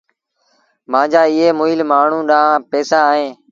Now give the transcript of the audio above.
مآݩجآ ايٚئي مُئيٚل مآڻهوٚٚݩ ڏآݩهݩ پئيٚسآ اهيݩ